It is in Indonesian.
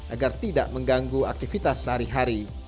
agar tidak mengganggu aktivitas sehari hari